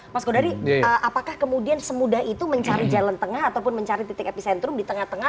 mas kodari apakah kemudian semudah itu mencari jalan tengah ataupun mencari titik epicentrum di tengah tengah